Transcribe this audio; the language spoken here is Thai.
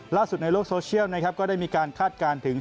ล่าสุดในโลกโซเชียลนะครับก็ได้มีการคาดการณ์ถึง